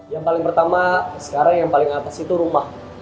yang paling pertama sekarang yang paling atas itu rumah